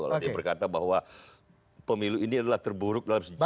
kalau dia berkata bahwa pemilu ini adalah terburuk dalam sejarah